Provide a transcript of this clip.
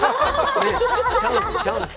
チャンスチャンス。